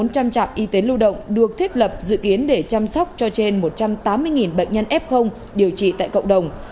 bốn trăm linh trạm y tế lưu động được thiết lập dự kiến để chăm sóc cho trên một trăm tám mươi bệnh nhân f điều trị tại cộng đồng